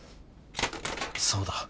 そうだ。